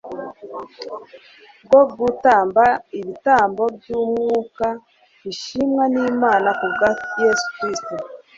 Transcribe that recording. bwo gutamba ibitambo by'Umwuka bishimwa n'Imana kubwa Yesu Kristo;